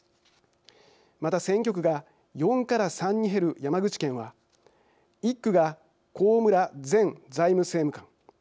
また選挙区が４から３に減る山口県は１区が高村前財務政務官。